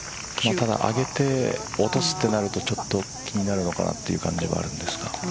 上げて落とすとなるとちょっと気になるのかなという感じはあるんですが。